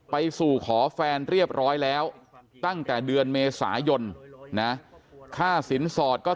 ไปสู่ขอแฟนเรียบร้อยแล้วตั้งแต่เดือนเมษายนนะค่าสินสอดก็